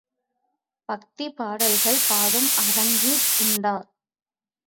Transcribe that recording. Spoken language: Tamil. பக்திப் பாடல்கள் பாடும் அரங்கு உண்டா?